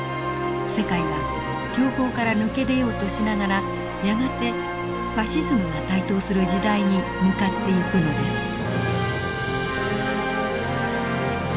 世界は恐慌から抜け出ようとしながらやがてファシズムが台頭する時代に向かっていくのです。